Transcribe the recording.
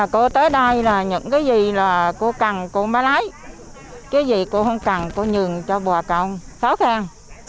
cô tới đây là những cái gì là cô cần cô mới lấy cái gì cô không cần cô nhường cho bà con khó khăn